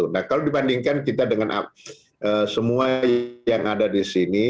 nah kalau dibandingkan kita dengan semua yang ada di sini